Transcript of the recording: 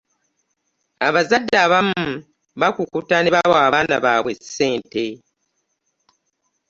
Abazadde abamu baakukuta ne bawa abaana babwe ssente.